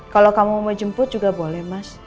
kalau kamu mau jemput juga boleh mas